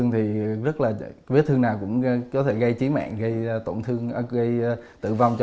thì ra bác ra đằng sau bên cạnh